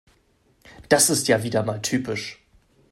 Das ist ja wieder mal typisch.